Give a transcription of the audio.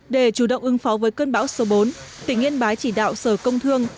để chủ động ứng phó với cơn bão số bốn tỉnh yên bái chỉ đạo sở công thương